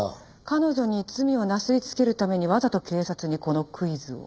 彼女に罪をなすりつけるためにわざと警察にこのクイズを。